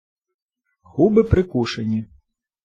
Губи прикушені.